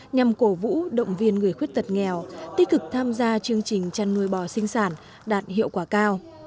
nhằm cổ vũ động viên người khuyết tật nghèo tích cực tham gia chương trình chăn nuôi bò sinh sản đạt hiệu quả cao